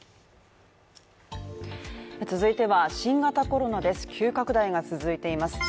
続いては新型コロナです急拡大が続いています。